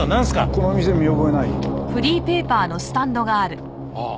この店見覚えない？あっ。